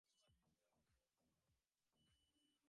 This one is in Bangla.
ওলাউঠা রোগী গোড়া থেকেই মৃত্য ভয়ে অস্থির হয়।